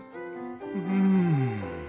うん。